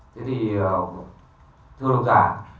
thưa đồng giả